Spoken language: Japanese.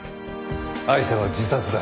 アイシャは自殺だ。